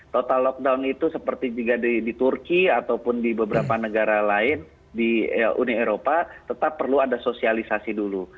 total lockdown itu seperti juga di turki ataupun di beberapa negara lain di uni eropa tetap perlu ada sosialisasi dulu